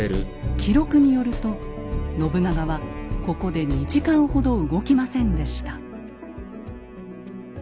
記録によると信長はここで２時間ほど動きませんでした。